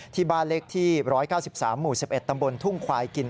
ที่บ้านเล็กที่๑๙๓หมู่๑๑ตำบลทุ่งควายกิน